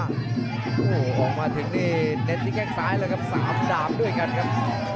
โหออกมาถึงในเน็ตที่แก้งซ้ายแล้วกับ๓ดามด้วยกันครับ